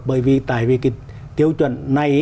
bởi vì tại vì cái tiêu chuẩn này